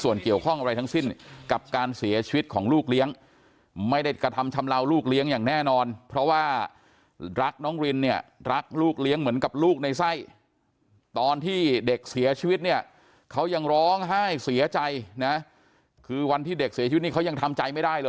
ส่วนเกี่ยวข้องอะไรทั้งสิ้นกับการเสียชีวิตของลูกเลี้ยงไม่ได้กระทำชำเลาลูกเลี้ยงอย่างแน่นอนเพราะว่ารักน้องรินเนี่ยรักลูกเลี้ยงเหมือนกับลูกในไส้ตอนที่เด็กเสียชีวิตเนี่ยเขายังร้องไห้เสียใจนะคือวันที่เด็กเสียชีวิตนี่เขายังทำใจไม่ได้เลย